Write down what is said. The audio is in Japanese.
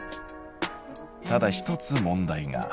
ただ一つ問題が。